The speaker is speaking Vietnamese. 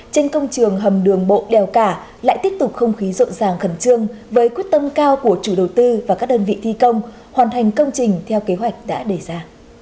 trên công trường hầm đường bộ đèo cả lại tiếp tục không khí rộn ràng khẩn trương với quyết tâm cao của chủ đầu tư và các đơn vị thi công hoàn thành công trình theo kế hoạch đã đề ra